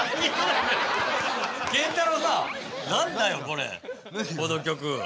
この曲。